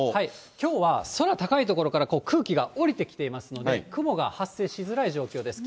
きょうは空高い所から空気が下りてきていますので、雲が発生しづらい状況です。